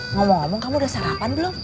ngomong ngomong kamu udah sarapan belum